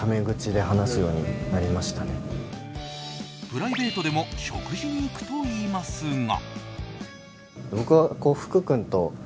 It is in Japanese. プライベートでも食事に行くといいますが。